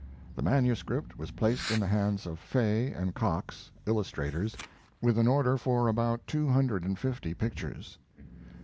The manuscript was placed in the hands of Fay and Cox, illustrators, with an order for about two hundred and fifty pictures.